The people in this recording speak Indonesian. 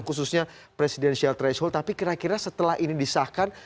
khususnya presidential threshold tapi kira kira setelah ini disahkan